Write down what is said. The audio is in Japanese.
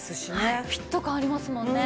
フィット感ありますもんね。